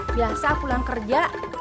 biasa pulang kerja